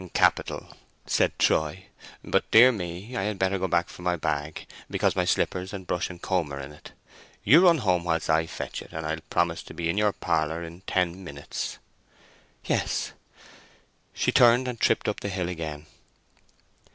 "Capital," said Troy. "But, dear me, I had better go back for my bag, because my slippers and brush and comb are in it; you run home whilst I fetch it, and I'll promise to be in your parlour in ten minutes." "Yes." She turned and tripped up the hill again.